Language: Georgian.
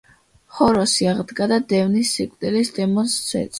ჰოროსი აღდგა და დევნის სიკვდილის დემონს სეთს.